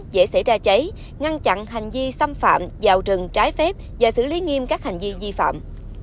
dễ xảy ra cháy ngăn chặn hành di xâm phạm vào rừng trái phép và xử lý nghiêm các hành di di phạm